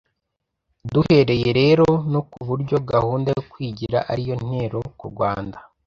duhereye rero no ku buryo gahunda yo kwigira ari yo ntero ku Rwanda